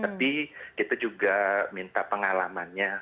tapi kita juga minta pengalamannya